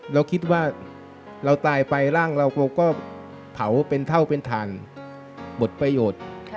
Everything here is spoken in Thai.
เราคิดว่าเราตายไปร่างเราเราก็เผาเป็นเท่าเป็นฐานบทประโยชน์